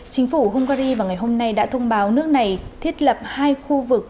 chính phủ hungary vào ngày hôm nay đã thông báo nước này thiết lập hai khu vực